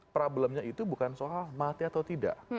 problemnya itu bukan soal mati atau tidak